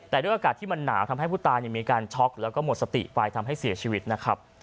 แต่ด้วยอากาศที่มันหนาวทำให้ผู้ตายมีการช็อกแล้วก็หมดสติไปทำให้เสียชีวิตนะครับ